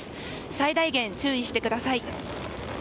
最大限、注意してください。